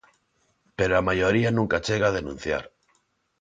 Pero a maioría nunca chega a denunciar.